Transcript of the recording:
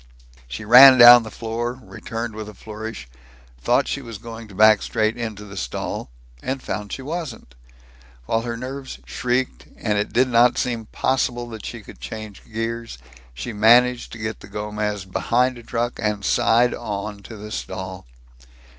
She ran down the floor, returned with a flourish, thought she was going to back straight into the stall and found she wasn't. While her nerves shrieked, and it did not seem possible that she could change gears, she managed to get the Gomez behind a truck and side on to the stall.